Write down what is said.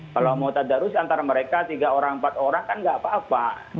kalau mau tadarut antara mereka tiga empat orang kan gak apa apa